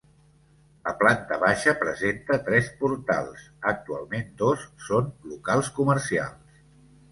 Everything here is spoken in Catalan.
La planta baixa presenta tres portals, actualment dos són locals comercials.